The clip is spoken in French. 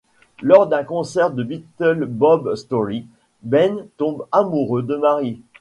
Lors d'un concert de Little Bob Story, Ben tombe amoureux de Marie.